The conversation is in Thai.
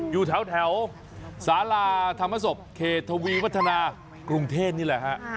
อยู่แถวสาราธรรมศพเขตทวีวัฒนากรุงเทพนี่แหละฮะ